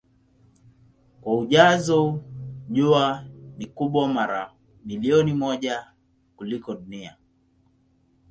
Kwa ujazo Jua ni kubwa mara milioni moja kuliko Dunia.